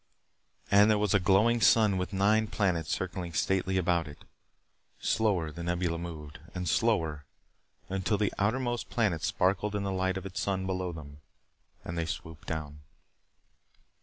And there was a glowing sun with nine planets circling stately about it. Slower The Nebula moved, and slower, until the outermost planet sparkled in the light of its sun below them. They swooped down.